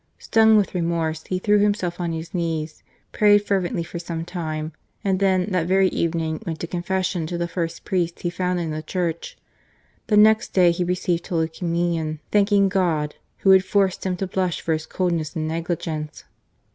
Stung with remorse, he threw himself on his knees, prayed fervently for some time, and then, that very evening, went to confession to the first priest he found in the church. The next day he received Holy Communion, thanking God, PARIS. 57 Who had forced him to blush for his coldness and negligence.